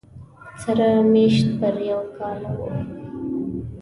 سره مېشت پر یو کاله و